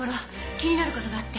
気になる事があって。